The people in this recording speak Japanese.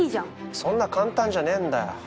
そんな簡単じゃねえんだよ。